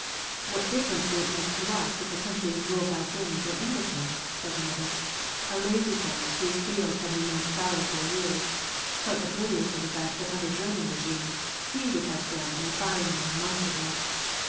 "Wot difference would it make to us if the country is ruled by Germans or Englishmen?" said another, a lazy fellow whose fields had remained fallow for years, quite oblivious of the fact that under German regime he would have been in the firing line months ago.